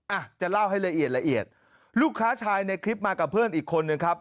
อ่ะจะเล่าให้ละเอียดละเอียดลูกค้าชายในคลิปมากับเพื่อนอีกคนนึงครับ